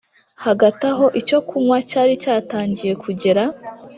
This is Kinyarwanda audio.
hagati aho icyokunywa cyari cyatangiye kugera